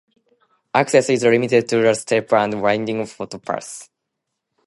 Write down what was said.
Access is limited to a steep and winding footpath.